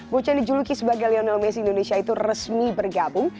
bocah yang dijuluki sebagai lionel messi indonesia itu resmi bergabung